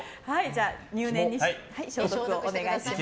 入念に消毒をお願いします。